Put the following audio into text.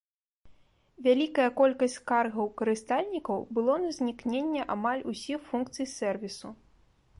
Вялікая колькасць скаргаў карыстальнікаў было на знікненне амаль усіх функцый сэрвісу.